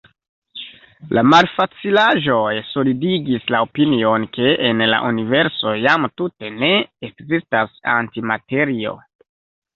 La malfacilaĵoj solidigis la opinion, ke en la universo jam tute ne ekzistas antimaterio.